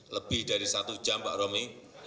lebih dari satu jam pak romi